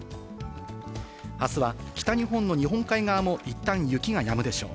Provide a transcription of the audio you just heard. あすは北日本の日本海側もいったん雪がやむでしょう。